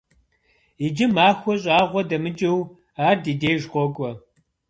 Иджы махуэ щӀагъуэ дэмыкӀыу ар ди деж къокӀуэ.